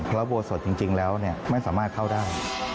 อุโบสถจริงแล้วไม่สามารถเข้าได้